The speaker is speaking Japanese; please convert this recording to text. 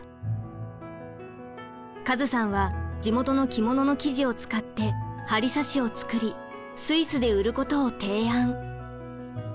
カズさんは地元の着物の生地を使って針刺しを作りスイスで売ることを提案。